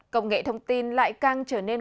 công nghệ thông tin lại càng trở nên